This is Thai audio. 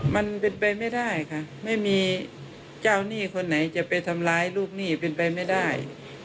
มันเป็นไปไม่ได้ค่ะไม่มีเจ้าหนี้คนไหนจะไปทำร้ายลูกหนี้เป็นไปไม่ได้